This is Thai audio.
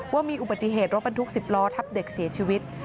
ว่ามีอุบัติเหตุรถบรรทุก๑๐ล้อทับเด็กเสียชีวิต